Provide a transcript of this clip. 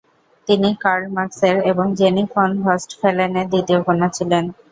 তিনি কার্ল মার্কসের এবং জেনি ফন ভস্টফালেনের দ্বিতীয় কন্যা ছিলেন।